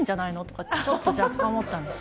ってちょっと若干思ったんですけ